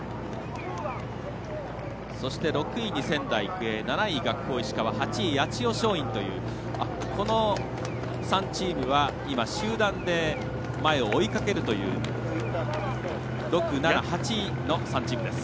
そして、６位に仙台育英７位、学法石川８位、八千代松陰というこの３チームは集団で前を追いかけるという６、７、８位の３チームです。